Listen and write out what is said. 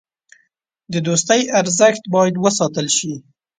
د دوستۍ ارزښت باید وساتل شي.